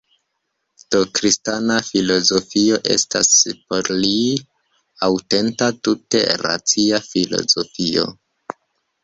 Do kristana filozofio estas, por li, aŭtenta tute racia filozofio.